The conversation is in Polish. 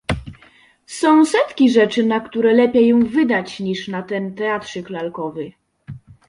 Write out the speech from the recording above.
Są setki rzeczy, na które lepiej ją wydać niż na ten teatrzyk lalkowy